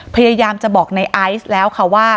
พยายามจะบอกในไอซ์แล้วค่ะว่า